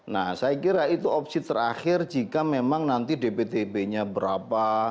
nah saya kira itu opsi terakhir jika memang nanti dptb nya berapa